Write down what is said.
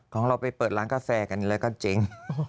ของเราไปเปิดร้านกาแฟกันแล้วก็เจ๊ง